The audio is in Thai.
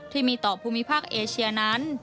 ที่มีต่อภูมิภาคเอเชียนั้น